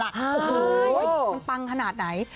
มันปังขนาดไหน